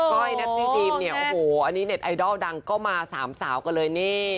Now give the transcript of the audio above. ก้อยนัทซี่ดีมเนี่ยโอ้โหอันนี้เน็ตไอดอลดังก็มาสามสาวกันเลยนี่